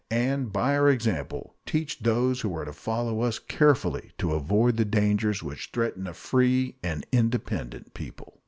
and by our example teach those who are to follow us carefully to avoid the dangers which threaten a free and independent people.